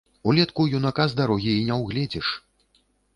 Улетку юнака з дарогі і не ўгледзіш.